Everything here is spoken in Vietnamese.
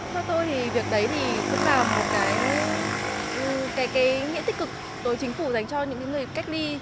theo tôi thì việc đấy thì cũng là một cái nghĩa tích cực đối với chính phủ dành cho những người cách ly